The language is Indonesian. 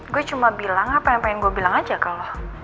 gue cuma bilang apa yang pengen gue bilang aja kalau